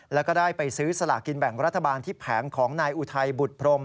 แล้วก็ได้ไปซื้อสลากินแบ่งรัฐบาลที่แผงของนายอุทัยบุตรพรม